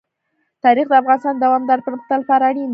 تاریخ د افغانستان د دوامداره پرمختګ لپاره اړین دي.